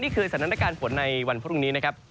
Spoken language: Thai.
นี่คือสถานการณ์ฝนในวันพรุ่งนี้นะครับ